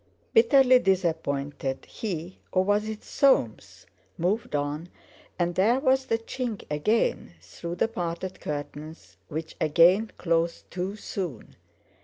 Bitterly disappointed he—or was it Soames?—moved on, and there was the chink again through the parted curtains, which again closed too soon.